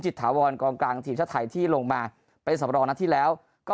ถาวรกองกลางทีมชาติไทยที่ลงมาเป็นสำรองนัดที่แล้วก็